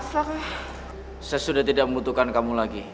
sok saya sudah tidak membutuhkan kamu lagi